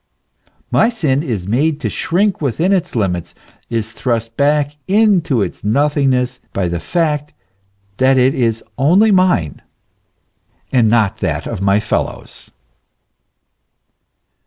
My sin is made to shrink within its limits, is thrust back into its nothing ness, by the fact that it is only mine, and not that of my fellows.